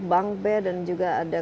bunk bed dan juga ada